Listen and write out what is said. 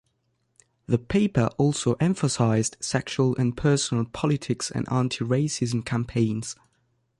The paper also emphasised sexual and personal politics and anti-racism campaigns.